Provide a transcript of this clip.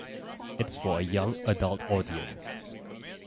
It's for a young adult audience.